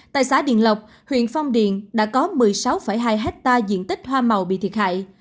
tại xã điện lộc huyện phong điền đã có một mươi sáu hai hectare diện tích hoa màu bị thiệt hại